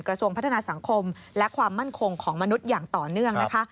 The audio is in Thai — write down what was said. กระทรวงพัฒนาสังคมและความมั่นคงของมนุษย์อย่างต่อเนื่องนะคะ